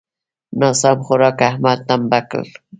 ناسم خوارک؛ احمد ټمبه کړ.